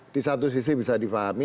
di satu sisi bisa di faham